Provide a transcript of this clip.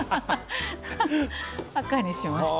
赤にしました。